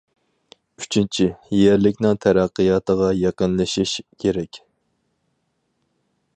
ئۈچىنچى، يەرلىكنىڭ تەرەققىياتىغا يېقىنلىشىش كېرەك.